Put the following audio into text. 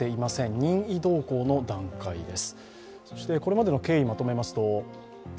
任意同行の段階です。